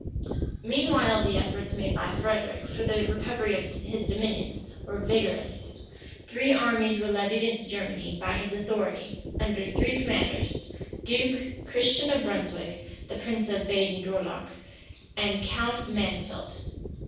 Meanwhile the efforts made by Frederic for the recovery of his dominions, were vigorous. Three armies were levied in Germany by his authority, under three commanders, Duke, Christian of Brunswick, the prince of Baden Dourlach, and Count Mansfeldt.